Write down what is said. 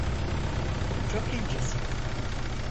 Çok incesin.